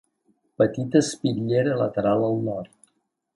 Petita espitllera lateral al nord.